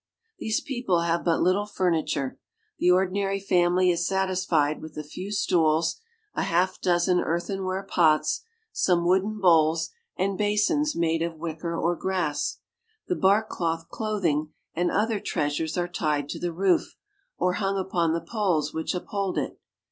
These people have but little furniture. The ordinary family is satisfied with a few stools, a half dozen earthen ware pots, some wooden bowls, and basins made of wicker or grass. The bark cloth clothing and other treasures are tied to the roof, or hung upon the poles which uphold it.